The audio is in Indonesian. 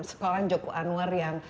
sekolah joko anwar yang